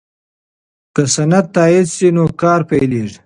که سند تایید شي نو کار پیلیږي.